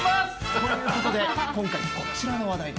ということで、今回、こちらえ？